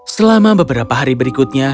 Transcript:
selama beberapa hari berikutnya